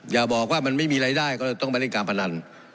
อย่าบอกว่ามันไม่มีรายได้ก็เลยต้องไปเล่นการพนัน